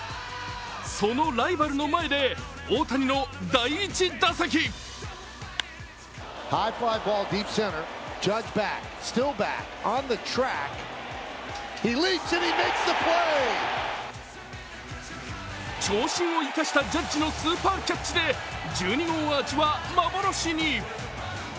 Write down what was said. そのライバルの前で大谷の第１打席長身を生かしたジャッジのスーパーキャッチで１２号アーチは幻に。